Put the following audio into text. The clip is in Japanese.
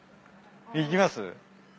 行きます？